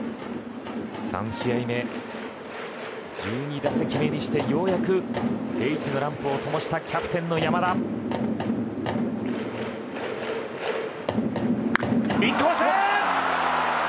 ３試合目１２打席目にしてようやくＨランプをともしたキャプテンの山田インコース。